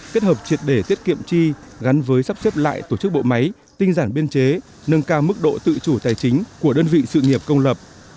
kết hợp triệt để tiết kiệm chi gắn với sắp xếp lại tổ chức bộ máy tinh giản biên chế nâng cao mức độ tự chủ tài chính của đơn vị sự nghiệp công lập